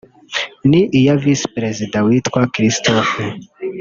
ni iya visi perezida witwa Christophe